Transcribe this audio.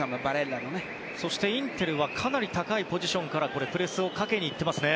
そしてインテルはかなり高いポジションからプレスをかけに行ってますね。